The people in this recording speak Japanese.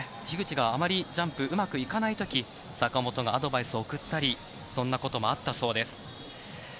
樋口が、あまりジャンプがうまくいかない時坂本がアドバイスを送ったりそんなこともあったそうです。